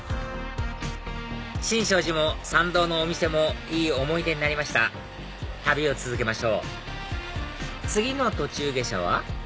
新勝寺も参道のお店もいい思い出になりました旅を続けましょう次の途中下車は？